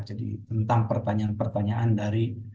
jadi tentang pertanyaan pertanyaan dari